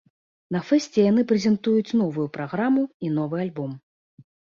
На фэсце яны прэзентуюць новую праграму і новы альбом!